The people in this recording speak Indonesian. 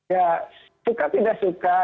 ya suka tidak suka